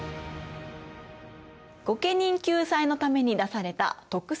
御家人救済のために出された徳政令。